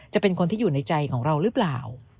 จะเป็นคนที่อยู่ในใจของเราหรือเปล่า